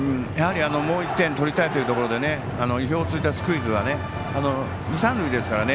もう１点取りたいというところで意表をついたスクイズが二、三塁ですからね。